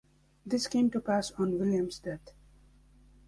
This came to pass on William's death.